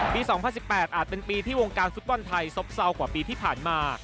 ๒๐๑๘อาจเป็นปีที่วงการฟุตบอลไทยซบเศร้ากว่าปีที่ผ่านมา